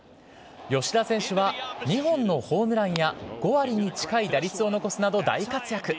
吉田選手は２本のホームランや５割に近い打率を残すなど、大活躍。